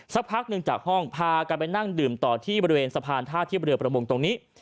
สักพักหนึ่งจากห้องพากันไปนั่งดื่มต่อที่บริเวณสะพานท่าเทียบเรือประมงตรงนี้